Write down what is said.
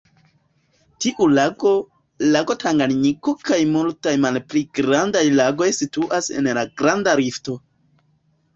Tiu lago, lago Tanganjiko kaj multaj malpli grandaj lagoj situas en la Granda Rifto.